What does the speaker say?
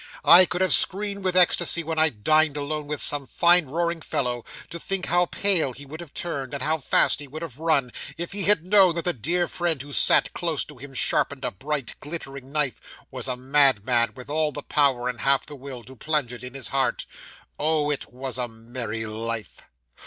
I could have screamed with ecstasy when I dined alone with some fine roaring fellow, to think how pale he would have turned, and how fast he would have run, if he had known that the dear friend who sat close to him, sharpening a bright, glittering knife, was a madman with all the power, and half the will, to plunge it in his heart. Oh, it was a merry life!